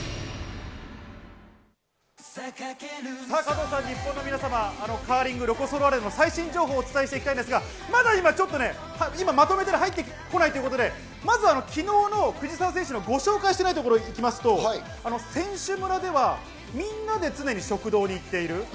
さぁ加藤さん、日本の皆様、カーリングのロコ・ソラーレの最新情報をお伝えしていきたいんですが、まだ今ちょっとね、まとめたのが入ってこないってことでまずは昨日の藤澤選手のご紹介していないところを行きますと、選手村ではみんなで常に食堂に行っている。